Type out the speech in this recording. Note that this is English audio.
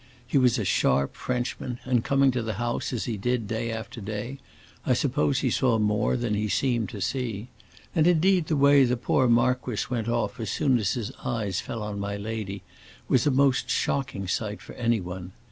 He was a sharp Frenchman, and coming to the house, as he did day after day, I suppose he saw more than he seemed to see. And indeed the way the poor marquis went off as soon as his eyes fell on my lady was a most shocking sight for anyone.